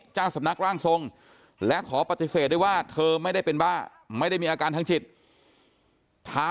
เจ้าสำนักร่างทรงและขอปฏิเสธด้วยว่าเธอไม่ได้เป็นบ้าไม่ได้มีอาการทางจิตท้า